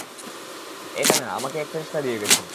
এটা না, আমাকে এক ফেরেশতা দিয়ে গেছে।